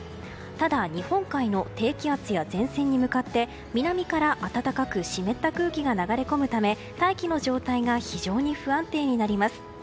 ただ、日本海の低気圧や前線に向かって南から暖かく湿った空気が流れ込むため大気の状態が非常に不安定になります。